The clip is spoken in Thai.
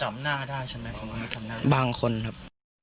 บางคนครับ